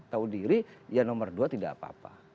tahu diri ya nomor dua tidak apa apa